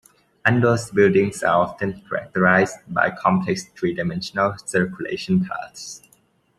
Ando's buildings are often characterized by complex three-dimensional circulation paths.